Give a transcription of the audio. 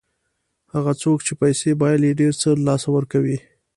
هغه څوک چې پیسې بایلي ډېر څه له لاسه ورکوي.